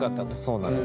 そうなんです。